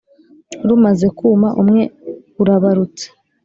Rumaze kuma umwe urabarutse